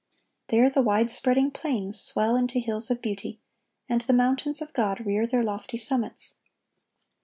There the wide spreading plains swell into hills of beauty, and the mountains of God rear their lofty summits.